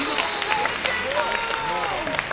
大成功！